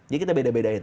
jadi kita beda bedain